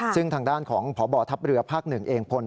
ซึ่งทางด้านของพบทัพเรือภาค๑เองพล